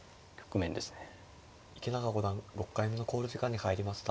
池永五段６回目の考慮時間に入りました。